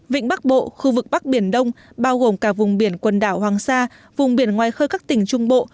vịnh bắc bộ khu vực bắc biển đông bao gồm cả vùng biển quần đảo hoàng sa vùng biển ngoài khơi các tỉnh trung bộ